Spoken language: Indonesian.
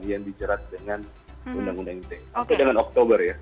yang dijerat dengan undang undang ite sampai dengan oktober ya